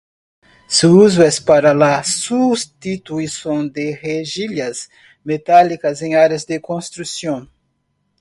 Su uso es para la sustitución de rejillas metálicas en áreas de corrosión.